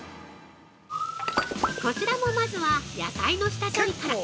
こちらもまずは野菜の下処理から。